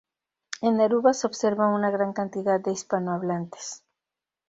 En Aruba se observa una gran cantidad de hispanohablantes.